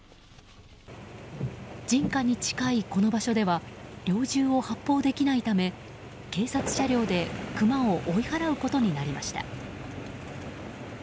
人家に近い、この場所では猟銃を発砲できないため警察車両でクマを追い払うことになりました。